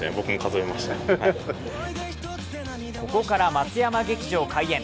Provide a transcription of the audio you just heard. ここから松山劇場開演。